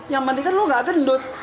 yang penting kan lo gak gendut